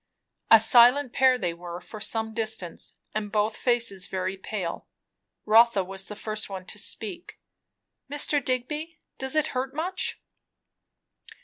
A silent pair they were for some distance; and both faces very pale. Rotha was the first one to speak. "Mr. Digby does it hurt much?"